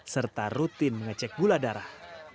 serta rutin mengecek gula darah